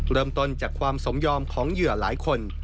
เริ่มต้นจากความสมยอมของเหยื่อหลายคน